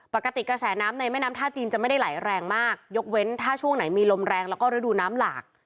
กระแสน้ำในแม่น้ำท่าจีนจะไม่ได้ไหลแรงมากยกเว้นถ้าช่วงไหนมีลมแรงแล้วก็ฤดูน้ำหลาก